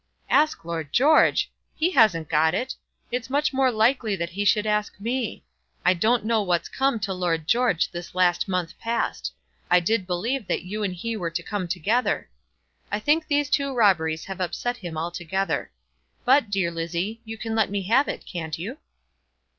"Ask Lord George! He hasn't got it. It's much more likely that he should ask me. I don't know what's come to Lord George this last month past. I did believe that you and he were to come together. I think these two robberies have upset him altogether. But, dear Lizzie; you can let me have it, can't you?"